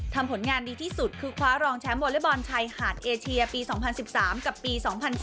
ทำผลงานดีที่สุดคือคว้ารองแชมป์วลบอลชัยหาดเอเชียปี๒๐๑๓